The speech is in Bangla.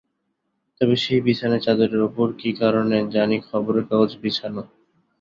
তবে সেই বিছানায় চাদরের ওপর কি কারণে জানি খবরের কাগজ বিছানো।